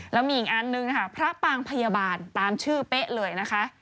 แล้วมีอีกอันนึงค่ะพระปางพยาบาลตามชื่อเป๊ะเลยนะคะ